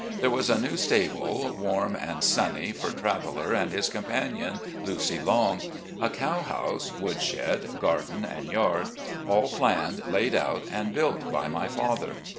There was a new stable, warm and sunny, for Traveller and his companion, "Lucy Long," a cow house, wood shed, garden, and yard, 357 358 RECOLLECTIONS OP GENERAL LEE all planned, laid out, and built by my father.